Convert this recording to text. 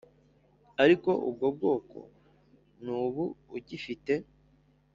Ari ubwo bwoko n’ubu ugifite